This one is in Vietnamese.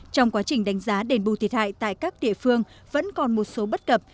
trong quá trình đánh giá đền bù thiệt hại tại các địa phương vẫn còn một số bất cập